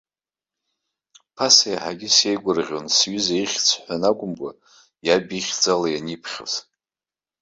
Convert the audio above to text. Ԥаса иаҳагьы сеигәырӷьон сҩыза, ихьӡ ҳәаны акәымкәа, иаб ихьӡала ианиԥхьоз.